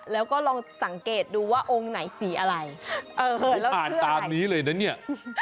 แล้วก็ลองสังเกตดูว่าองค์ไหนสีอะไรเออแล้วอ่านตามนี้เลยนะเนี่ย